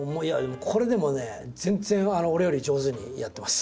これでもね全然俺より上手にやってます。